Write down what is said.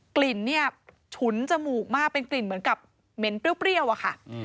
กลิ่นเนี่ยฉุนจมูกมากเป็นกลิ่นเหมือนกับเหม็นเปรี้ยวอะค่ะ